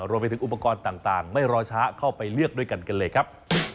รวมไปถึงอุปกรณ์ต่างไม่รอช้าเข้าไปเลือกด้วยกันกันเลยครับ